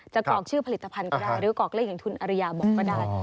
กรอกชื่อผลิตภัณฑ์ก็ได้หรือกรอกเลขอย่างคุณอริยาบอกก็ได้